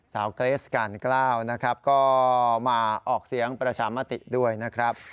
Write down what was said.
เกรสกาลเกล้านะครับก็มาออกเสียงประชามติด้วยนะครับ